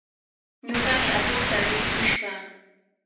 Ñuqami atuqta rirqush kaa.